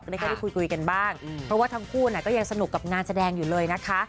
ได้แค่ได้คุยกันบ้างเพราะว่าทั้งคู่ก็ยังสนุกกับงานแสดงอยู่เลยนะคะ